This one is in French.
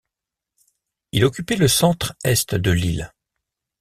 Il occupait le centre-est de l'île.